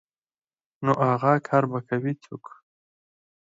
نو اغه کار به کوي څوک.